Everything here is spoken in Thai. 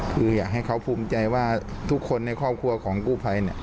คืออยากให้เขาภูมิใจว่าทุกคนในครอบครัวของกู้ภัย